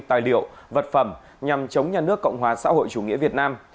tài liệu vật phẩm nhằm chống nhà nước cộng hòa xã hội chủ nghĩa việt nam